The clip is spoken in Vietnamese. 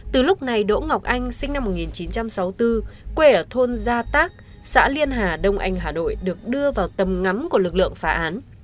từ lúc này đỗ ngọc anh sinh năm một nghìn chín trăm sáu mươi bốn quê ở thôn gia tác xã liên hà đông anh hà nội được đưa vào tầm ngắm của lực lượng phá án